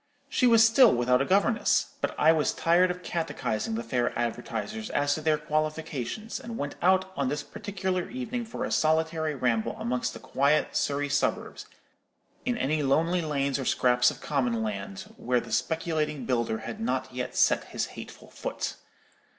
She was still without a governess: but I was tired of catechizing the fair advertisers as to their qualifications, and went out on this particular evening for a solitary ramble amongst the quiet Surrey suburbs, in any lonely lanes or scraps of common land where the speculating builder had not yet set his hateful foot.